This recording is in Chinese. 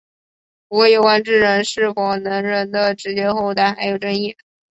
不过有关智人是否能人的直接后代还有争议。